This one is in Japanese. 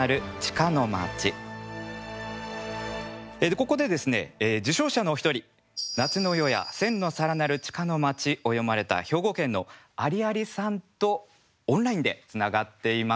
ここでですね受賞者のお一人「夏の夜や千の皿鳴る地下の街」を詠まれた兵庫県のありありさんとオンラインでつながっています。